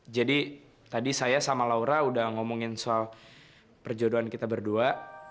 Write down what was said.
jadi tadi saya sama laura udah ngomongin soal perjodohan kita berdua